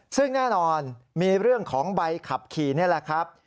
ซึ่งแน่นอนมีเรื่องของใบขับขี่นี่แหละครับ